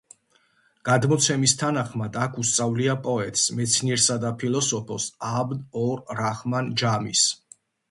გადმოცემის თანახმად აქ უსწავლია პოეტს, მეცნიერსა და ფილოსოფოსს აბდ-ორ-რაჰმან ჯამის.